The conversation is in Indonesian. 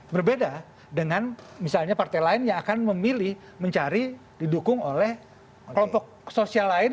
berbeda dengan misalnya partai lain yang akan memilih mencari didukung oleh kelompok sosial lain